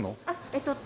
えっと